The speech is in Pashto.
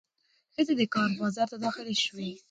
ښځې د کار بازار ته داخلې شوې.